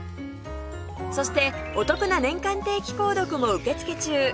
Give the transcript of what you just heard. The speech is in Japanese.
そしてお得な年間定期購読も受け付け中